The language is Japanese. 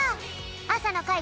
あさのかい